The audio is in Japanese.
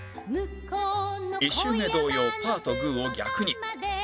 １周目同様パーとグーを逆に